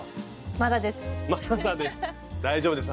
まだです。